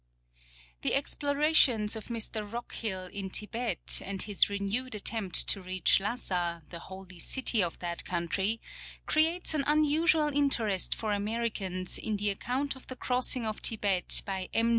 — The expirations of Mr. Rockhill in Tibet and his renewed attempt to reach I^assa, the " holy city " of that country, creates an unusual interest for Americans in the account of the crossing of Tibet by M.